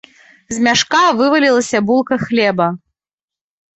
З мяшка вывалілася булка хлеба.